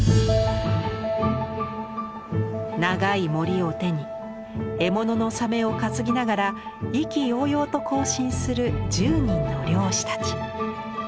長いモリを手に獲物のサメを担ぎながら意気揚々と行進する１０人の漁師たち。